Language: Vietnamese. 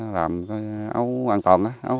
làm cái áo an toàn